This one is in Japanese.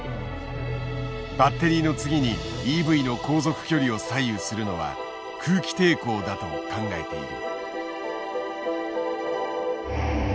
バッテリーの次にＥＶの航続距離を左右するのは空気抵抗だと考えている。